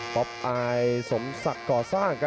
พบไอสมศักดิ์โกซ่าง